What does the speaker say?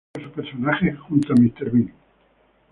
Creó su personaje junto a Mr.